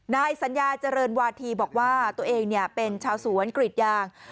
นายสัญญาเจริญวาธีบอกว่าตัวเองเป็นชาวสวนกรีดยาง